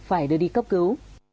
phải đưa đi cấp cứu